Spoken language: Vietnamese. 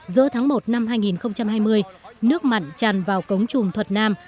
giữa tháng một năm hai nghìn hai mươi nước mặn tràn vào cống trùm thuật nam